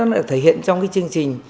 nó được thể hiện trong cái chương trình